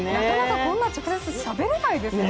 こんな直接しゃべれないですよね。